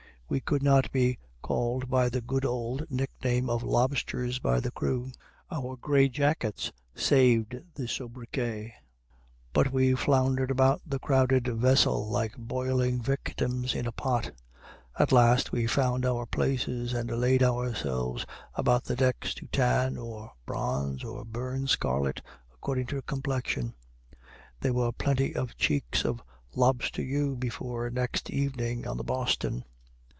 We could not be called by the good old nickname of "lobsters" by the crew. Our gray jackets saved the sobriquet. But we floundered about the crowded vessel like boiling victims in a pot. At last we found our places, and laid ourselves about the decks to tan or bronze or burn scarlet, according to complexion. There were plenty of cheeks of lobster hue before next evening on the "Boston."